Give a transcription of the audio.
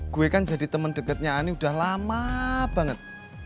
gue kan jadi temen deketnya ani udah lama banget